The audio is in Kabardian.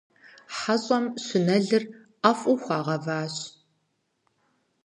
ХьэщӀэм щынэлыр ӀэфӀу хуагъэващ.